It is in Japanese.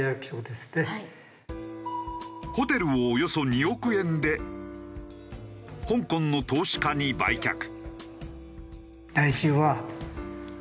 ホテルをおよそ２億円で香港の投資家に売却。